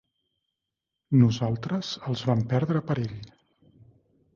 Nosaltres els vam perdre per ell.